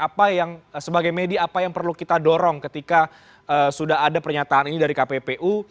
apa yang sebagai media apa yang perlu kita dorong ketika sudah ada pernyataan ini dari kppu